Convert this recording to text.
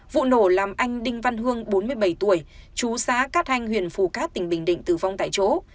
vụ nổ làm anh đinh văn hương bốn mươi bảy tuổi chú xã cát hanh huyện phù cát tỉnh bình định tử vong tại chỗ